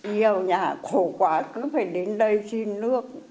nhiều nhà khổ quá cứ phải đến đây xin nước